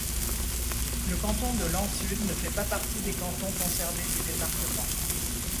Le canton de Laon-Sud ne fait pas partie des cantons conservés du département.